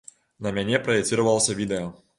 На мяне праецыравалася відэа.